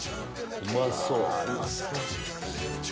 うまそう！